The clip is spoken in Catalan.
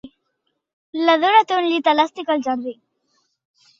La Dora té un llit elàstic al jardí.